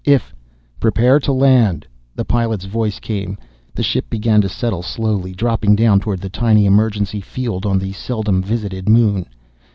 If " "Prepare to land!" the pilot's voice came. The ship began to settle slowly, dropping down toward the tiny emergency field on the seldom visited moon.